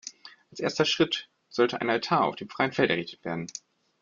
Als erster Schritt sollte ein Altar auf dem freien Feld errichtet werden.